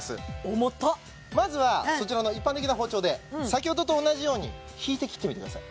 重たっまずはそちらの一般的な包丁で先ほどと同じように引いて切ってみてください